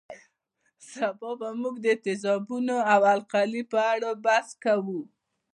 سبا به موږ د تیزابونو او القلي په اړه بحث کوو